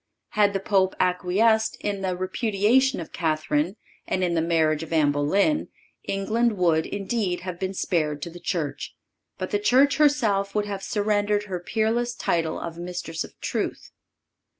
Had the Pope acquiesced in the repudiation of Catherine, and in the marriage of Anne Boleyn, England would, indeed, have been spared to the Church, but the Church herself would have surrendered her peerless title of Mistress of Truth.